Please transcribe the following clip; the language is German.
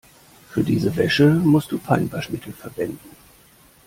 Für diese Wäsche musst du Feinwaschmittel verwenden.